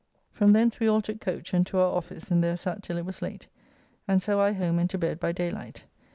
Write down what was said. ] From thence we all took coach, and to our office, and there sat till it was late; and so I home and to bed by day light.